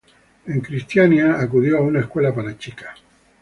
En Christiania acudió a una escuela para chicas.